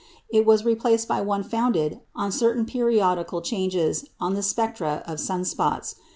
It was replaced by one founded on certain periodical changes on the spectra of sun spots.